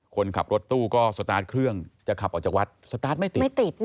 คนขับรถตู้ก็สตาร์ทเครื่องจะขับออกจากวัดสตาร์ทไม่ติดไม่ติด